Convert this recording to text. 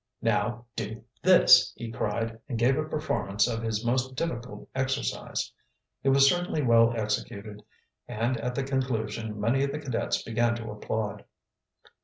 "Now do this!" he cried, and gave a performance of his most difficult exercise. It was certainly well executed and at the conclusion many of the cadets began to applaud.